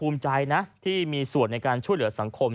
ใจนะที่มีส่วนในการช่วยเหลือสังคม